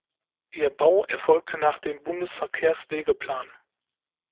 Ihr Bau erfolgte nach dem Bundesverkehrswegeplan.